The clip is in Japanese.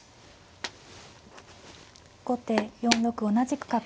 後手４六同じく角。